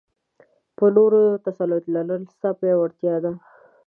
په نورو تسلط لرل؛ ستا پياوړتيا ده.